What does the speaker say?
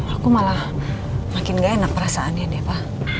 aku malah makin ga enak perasaannya deh pa